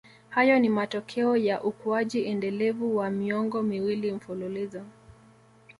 Hayo ni matokeo ya ukuaji endelevu wa miongo miwili mfululizo